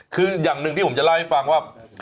คืออย่างหนึ่งที่ผมจะเล่าให้ฟังว่า